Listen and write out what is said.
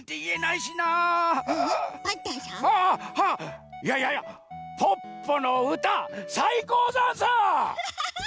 いやいやポッポのうたさいこうざんす！